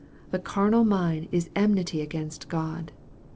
" The carnal mind is enmity against God."